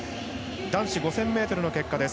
男子５０００ｍの結果です。